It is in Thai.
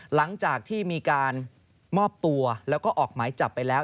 หลังจากที่มีการมอบตัวแล้วก็ออกหมายจับไปแล้ว